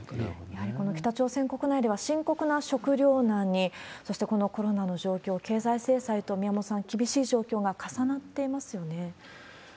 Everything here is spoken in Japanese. やはりこの北朝鮮国内では、深刻な食糧難に、そして、このコロナの状況、経済制裁と、宮本さん、厳しい状況が重なってますよね。